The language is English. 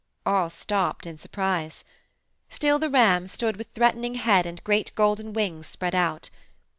All stopped in surprise. Still the ram stood with threatening head and great golden wings spread out.